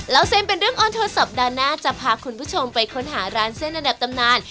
เราเซ็นเป็นเรื่องออนโทรศัพท์ด้านหน้าจะพาคุณผู้ชมไปค้นหาร้านเส้นอันดับตำนาน